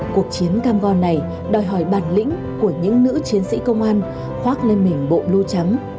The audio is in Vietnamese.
cuộc chiến cam go này đòi hỏi bản lĩnh của những nữ chiến sĩ công an khoác lên mình bộ lưu trắng